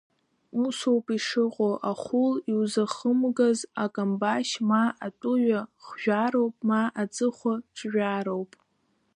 Усоуп ишыҟоу ахәыл иузахымгаз акамбашь, ма атәыҩа хжәароуп, ма аҵыхәа ҿжәароуп!